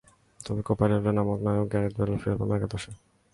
তবে Copa del রের নায়ক গ্যারেথ বেল ফিরতে পারেন প্রথম একাদশে।